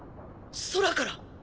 空から！